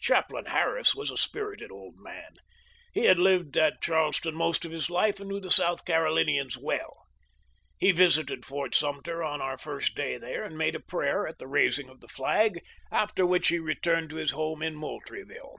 Chaplain Harris was a spirited old man. He had lived at Charleston most of his life and knew the South Carolinians well. He visited Fort Suniter on our first day there and made a prayer at the raising of the nag, after which he returned to his home at Moultrieville.